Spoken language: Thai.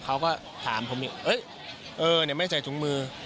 เขาก็ถามผมอีกเออเนี่ยไม่ใส่ถุงมือ